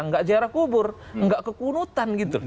jadi partai politik ini menjadi penting dalam politik kita